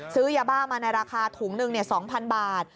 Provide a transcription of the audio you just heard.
ซื้อยาบ้ามาในราคาถุงหนึ่ง๒๐๐๐บาท